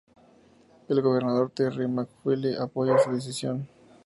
El gobernador Terry McAuliffe apoyo su decisión.